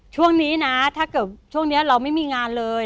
ช่วงนี้นะถ้าเกิดช่วงนี้เราไม่มีงานเลย